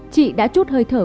chị đã chút hơi thở